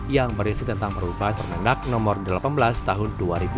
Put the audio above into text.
yang berisi tentang perubahan permendak nomor delapan belas tahun dua ribu dua puluh